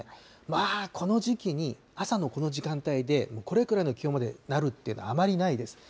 まあ、この時期に朝のこの時間帯で、これくらいの気温までなるっていうのはあまりないです。